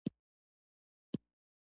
د ګربز ولسوالۍ پولې ته نږدې ده